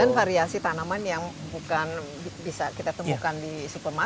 dan variasi tanaman yang bukan bisa kita temukan di supermarket